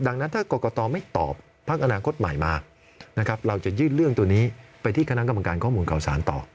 ดังนั้นถ้ากรกตไม่ตอบพักอนาคตใหม่มานะครับเราจะยื่นเรื่องตัวนี้ไปที่คณะกรรมการข้อมูลข่าวสารต่อ